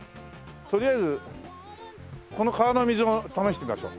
とりあえずこの川の水も試してみましょう。